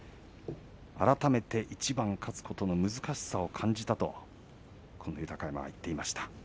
改めて一番勝つことの難しさを感じたとこの豊山は言っていました。